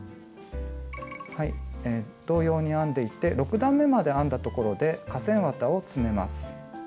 同様に編んでいって６段めまで編んだところで化繊綿を詰めます。